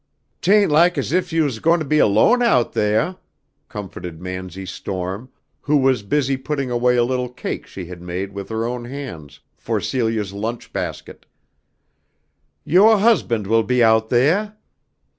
"'Taint laik as if you wus goin' to be alone out theah," comforted Mansy Storm, who was busy putting away a little cake she had made with her own hands for Celia's lunch basket. "Youah husband will be out theah."